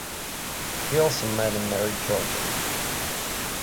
He also met and married Georgia.